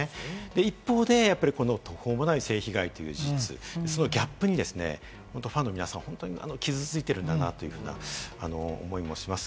一方で、途方もない性被害という事実、そのギャップにファンの皆さん、本当に傷ついてるんだなというのが思いもします。